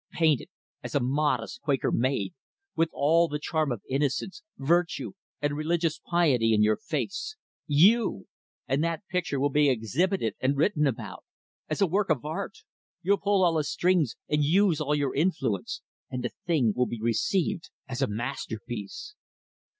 _ painted as a modest Quaker Maid, with all the charm of innocence, virtue, and religious piety in your face. You! And that picture will be exhibited and written about as a work of art! You'll pull all the strings, and use all your influence, and the thing will be received as a masterpiece."